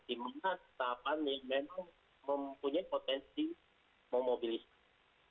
dimana tahapan ini memang mempunyai potensi memobilisasi